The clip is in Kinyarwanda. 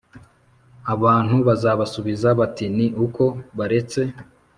Abantu bazabasubiza bati ni uko baretse